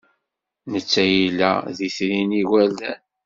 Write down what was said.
Netta yella d itri n yigerdan.